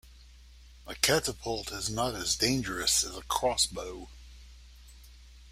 A catapult is not as dangerous as a crossbow